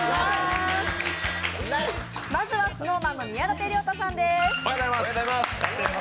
まずはＳｎｏｗＭａｎの宮舘涼太さんです。